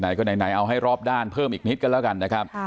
ไหนเอาให้รอบด้านเพิ่มอีกนิดกันแล้วกันนะครับ